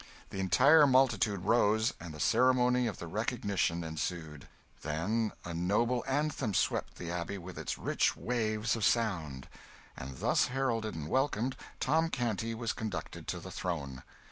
The entire multitude rose, and the ceremony of the Recognition ensued. Then a noble anthem swept the Abbey with its rich waves of sound; and thus heralded and welcomed, Tom Canty was conducted to the throne.